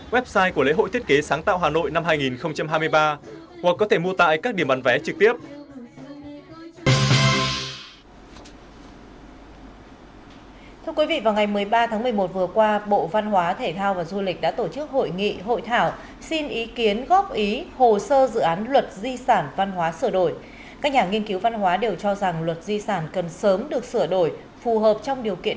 website của lễ hội thiết kế sáng tạo hà nội năm hai nghìn hai mươi ba hoặc có thể mua tại các điểm bán vé trực tiếp